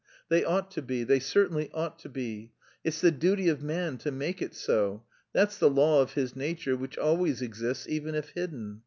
they ought to be, they certainly ought to be! It's the duty of man to make it so; that's the law of his nature, which always exists even if hidden....